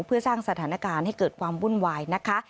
เพื่อสร้างสถานการณ์ให้เกิดความวุ่นวายนะคะ